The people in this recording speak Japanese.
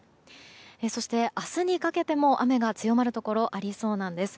そして、明日にかけても雨が強まるところありそうなんです。